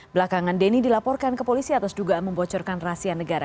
belakangan denny dilaporkan ke polisi atas dugaan membocorkan rahasia negara